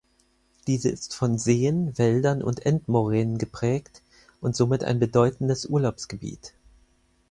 Diese ist von Seen, Wäldern und Endmoränen geprägt und somit ein bedeutendes Urlaubsgebiet.